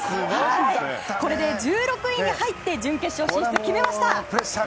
これで１６位に入って準決勝進出、決めました。